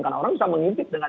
karena orang bisa mengimpik